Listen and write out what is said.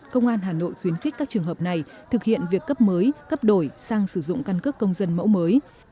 công an hà nội khuyến khích các trường hợp này thực hiện việc cấp mới cấp đổi sang sử dụng căn cước công dân mẫu mới